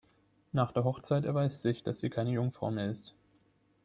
Nach der Hochzeit erweist sich, dass sie keine Jungfrau mehr ist.